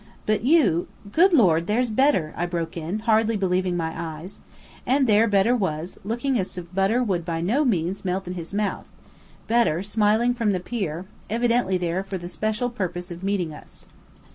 But you " "Good Lord, there's Bedr!" I broke in, hardly believing my eyes. And there Bedr was, looking as if butter would by no means melt in his mouth: Bedr, smiling from the pier, evidently there for the special purpose of meeting us.